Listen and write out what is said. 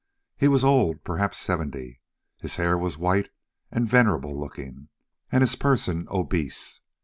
He was old, perhaps seventy, his hair was white and venerable looking, and his person obese.